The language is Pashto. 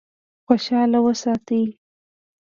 خوشاله وساتي.